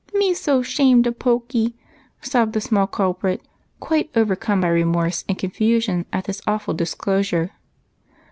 " Me 's so 'shamed of Pokey," sobbed the small culprit, quite overcome by remorse and confusion at this awful disclosure.